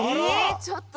ちょっと。